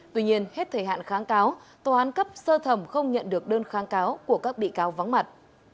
tuy nhiên hết thời hạn kháng cáo tòa án cấp sơ thẩm không nhận được đơn kháng cáo của các bị cáo vắng mặt